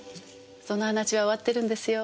その話は終わってるんですよ？